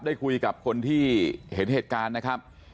ได้คุยกับคนที่เห็นเหตุการณ์นะครับ